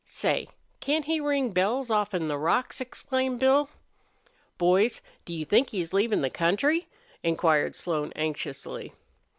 "Say, can't he ring bells offen the rocks?" exclaimed Bill. "Boys, do you think he's leavin' the country?" inquired Slone, anxiously.